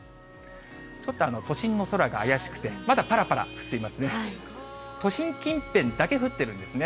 ちょっと都心の空が怪しくて、まだぱらぱら降っていますね。